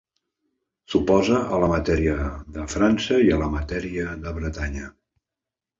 S'oposa a la matèria de França i la matèria de Bretanya.